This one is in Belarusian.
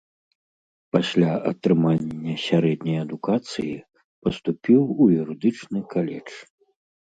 Пасля атрымання сярэдняй адукацыі паступіў у юрыдычны каледж.